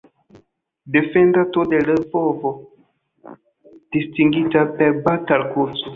Defendanto de Lvovo, distingita per Batal-Kruco.